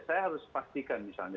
saya harus pastikan misalnya